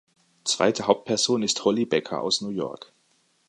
Zweite Hauptperson ist Holly Becker aus New York.